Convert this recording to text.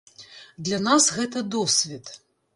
Для нас гэта досвед.